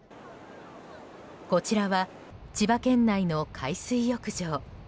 こちらは、千葉県内の海水浴場。